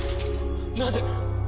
なぜ。